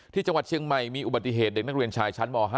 ที่จังหวัดเชียงใหม่มีอุบัติเหตุเด็กนักเรียนชายชั้นม๕